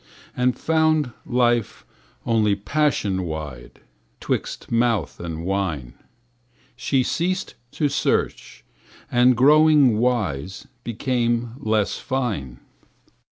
And found life only passion wide 'Twixt mouth and wine. She ceased to search, and growing wise Became less fine.